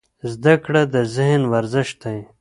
زده کړه د ذهن ورزش دی.